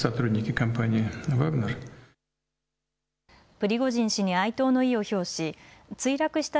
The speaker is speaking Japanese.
プリゴジン氏に哀悼の意を表し墜落した